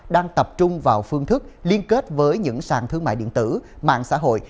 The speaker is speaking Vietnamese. đang tập trung vào phương thức liên kết với những sàn thương mại điện tử mạng xã hội